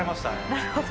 なるほど。